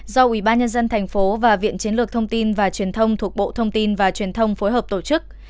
do ủy ban nhân dân thành phố và viện chiến lược thông tin và truyền thông thuộc bộ thông tin và truyền thông phối hợp tổ chức